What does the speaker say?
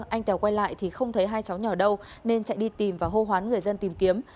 anh tèo quay lại thì không thấy hai cháu nhỏ đâu nên chạy đi tìm và hô hoán người dân tìm kiếm